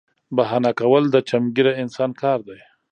بهانه کول د چمګیره انسان کار دی